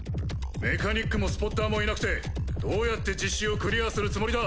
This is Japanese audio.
メカニックもスポッターもいなくてどうやって実習をクリアするつもりだ？